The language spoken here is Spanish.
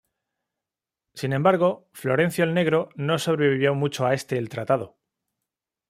Sin embargo, Florencio el Negro no sobrevivió mucho a este el tratado.